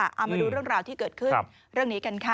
เอามาดูเรื่องราวที่เกิดขึ้นเรื่องนี้กันค่ะ